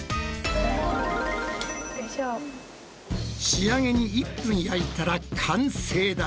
仕上げに１分焼いたら完成だ！